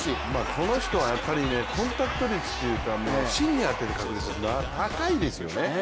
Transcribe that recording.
この人はやっぱりコンタクト率というか芯に当てる確率が高いですよね。